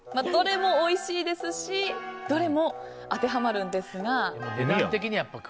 どれもおいしいですしどれも当てはまるんですが。